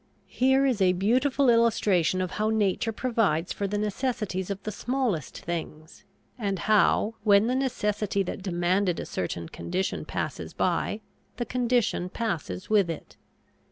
Here is a beautiful illustration of how nature provides for the necessities of the smallest things, and how when the necessity that demanded a certain condition passes by the condition passes with it.